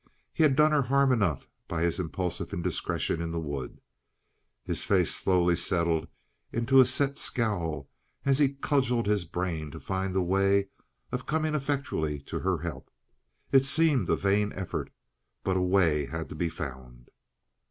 He had done her harm enough by his impulsive indiscretion in the wood. His face slowly settled into a set scowl as he cudgelled his brains to find a way of coming effectually to her help. It seemed a vain effort, but a way had to be found.